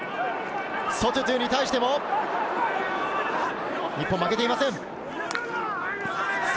ソトゥトゥに対しても日本、負けていません。